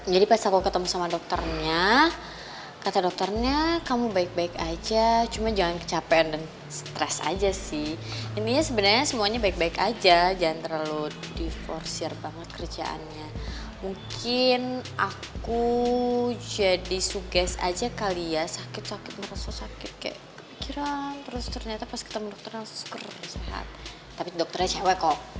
jadi pas aku ketemu sama dokternya kata dokternya kamu baik baik aja cuma jangan kecapean dan stress aja sih intinya sebenarnya semuanya baik baik aja jangan terlalu di forciar banget kerjaannya mungkin aku jadi sugest aja kali ya sakit sakit merasa sakit kayak kepikiran terus ternyata pas ketemu dokter langsung seger sehat tapi dokternya cewek kok